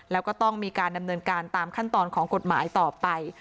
แล้วก็ต้องมีการดำเนินการตามขั้นตอนของกฎหมายต่อไป